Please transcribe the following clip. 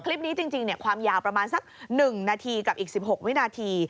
คลิปนี้จริงความยาวประมาณสัก๑นาทีกับอีก๑๖วินาที